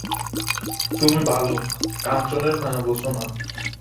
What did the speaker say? তুমি বালক, কাঞ্চনের মায়া বোঝ না।